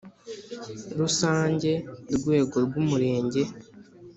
rusange rwego rw Umurenge